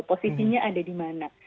positinya ada di mana